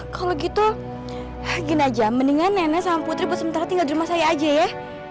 kalau gitu gini aja mendingan nenek sama putri bu sementara tinggal di rumah saya aja ya